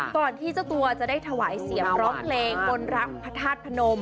ก่อนที่เจ้าตัวจะได้ถวายเสียบร้องเพลงบนรักภัทรพนม